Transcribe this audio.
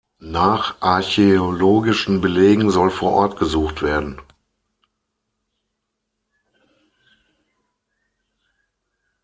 Nach archäologischen Belegen soll vor Ort gesucht werden.